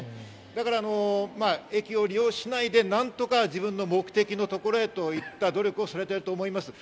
だから駅を利用しないで何とか自分の目的の所へといった努力をされていると思います。